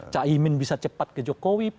cak emin bisa cepat ke jokowi